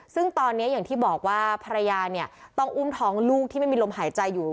ซึ่งตอนนี้อย่างที่บอกว่าภรรยาเนี่ยต้องอุ้มท้องลูกที่ไม่มีลมหายใจอยู่